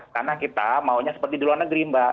karena kita maunya seperti di luar negeri mbak